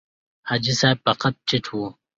حاجي صاحب په قد ټیټ و.